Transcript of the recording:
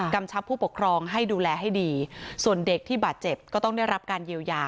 ชับผู้ปกครองให้ดูแลให้ดีส่วนเด็กที่บาดเจ็บก็ต้องได้รับการเยียวยา